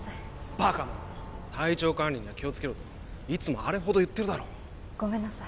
バカ者が体調管理には気をつけろといつもあれほど言ってるだろごめんなさい